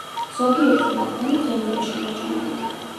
ზოგიერთი მათგანი დღემდეა შემორჩენილი.